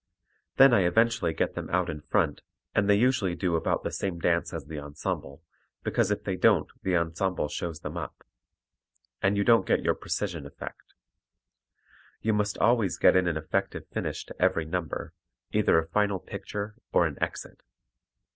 Then I eventually get them out in front, and they usually do about the same dance as the ensemble, because if they don't the ensemble shows them up. And you don't get your precision effect. You must always get in an effective finish to every number, either a final picture or an exit.